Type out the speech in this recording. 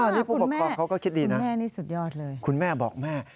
นี่ผู้ปกครองเขาก็คิดดีนะแม่นี่สุดยอดเลยคุณแม่บอกแม่